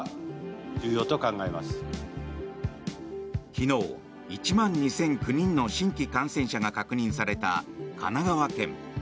昨日、１万２００９人の新規感染者が確認された神奈川県。